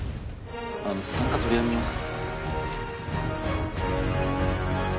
あの参加取りやめます